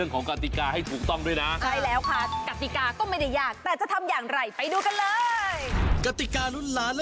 ของกติกาให้ถูกต้องด้วยนะ